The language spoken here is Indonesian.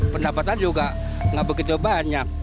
pendapatan juga nggak begitu banyak